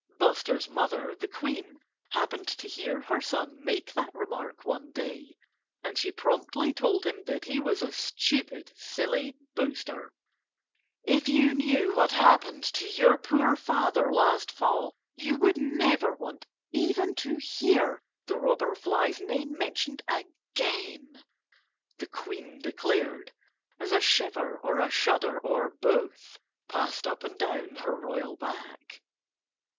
Buster's mother, the Queen, happened to hear her son make that remark one day. And she promptly told him that he was a stupid, silly boaster. "If you knew what happened to your poor father last fall you would never want even to hear the Robber Fly's name mentioned again," the Queen declared, as a shiver or a shudder or both passed up and down her royal back.